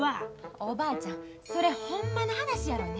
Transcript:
おばあちゃんそれほんまの話やろね？